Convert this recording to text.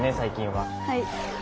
はい。